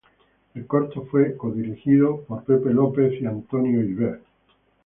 El corto fue codirigido por Walt Disney y Ub Iwerks.